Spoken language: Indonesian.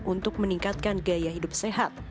untuk meningkatkan gaya hidup sehat